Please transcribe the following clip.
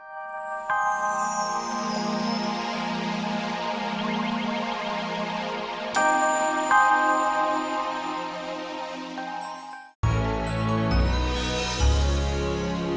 maksudnya amp thankful n "